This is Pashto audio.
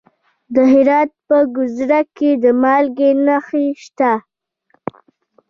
د هرات په ګذره کې د مالګې نښې شته.